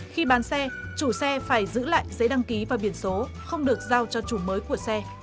khi bán xe chủ xe phải giữ lại giấy đăng ký và biển số không được giao cho chủ mới của xe